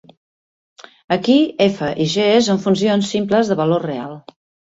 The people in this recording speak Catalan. Aquí "f" i "g" són funcions simples de valor real.